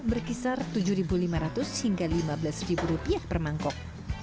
berkisar tujuh ribu lima ratus hingga lima belas ribu rupiah per mangkok